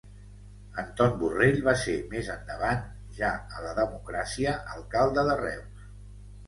Anton Borrell va ser més endavant, ja a la democràcia, alcalde de Reus.